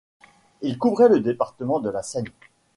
Il couvrait le département de la Seine.